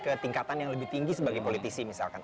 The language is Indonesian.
ke tingkatan yang lebih tinggi sebagai politisi misalkan